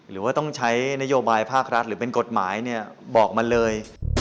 หรือว่าต้องใช้นโยบายภาครัฐหรือเป็นกฎหมายบอกมาเลย